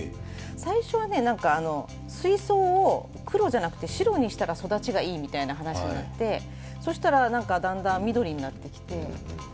最初は、水槽を黒じゃなくて白にしたら育ちがいいみたいな話でそしたらだんだん緑になってきて。